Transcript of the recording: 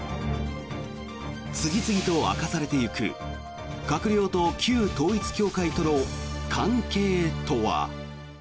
次々と明かされていく閣僚と旧統一教会との関係とは。